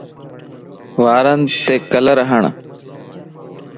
وارنت ڪلر ھڻ